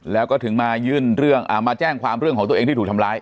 แล้วก็ถึงมายื่นเรื่องมาแจ้งความเรื่องของตัวเองที่ถูกทำร้าย